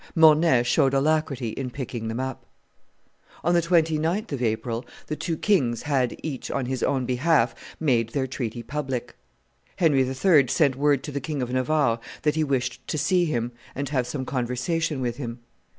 Mornay showed alacrity in picking them up. On the 29th of April, the two kings had, each on his own behalf, made their treaty public. Henry III. sent word to the King of Navarre that he wished to see him and have some conversation with him.